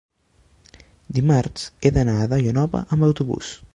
Dimarts he d'anar a Daia Nova amb autobús.